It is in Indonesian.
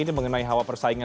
ini mengenai hawa persaingan